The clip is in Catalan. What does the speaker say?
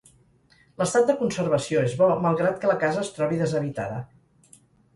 L'estat de conservació és bo malgrat que la casa es trobi deshabitada.